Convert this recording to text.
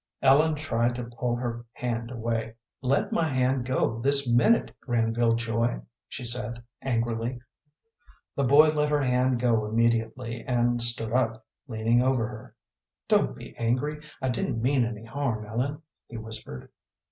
Ellen tried to pull her hand away. "Let my hand go this minute, Granville Joy," she said, angrily. The boy let her hand go immediately, and stood up, leaning over her. "Don't be angry; I didn't mean any harm, Ellen," he whispered.